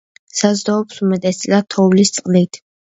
საზრდოობს უმეტესწილად თოვლის წყლით.